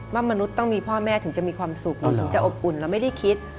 มนุษย์ต้องมีพ่อแม่ถึงจะมีความสุขเราถึงจะอบอุ่นเราไม่ได้คิด